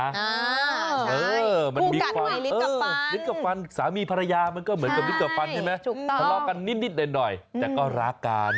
อ่าใช่มันมีความสามีภรรยามันก็เหมือนกับลิตกับปันใช่ไหมทะเลาะกันนิดหน่อยแต่ก็รักกัน